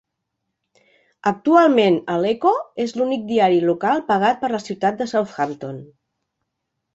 Actualment, el "Echo" és l'únic diari local pagat per la ciutat de Southampton.